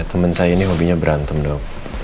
ya teman saya ini hobinya berantem dok